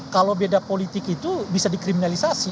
kalau beda politik itu bisa dikriminalisasi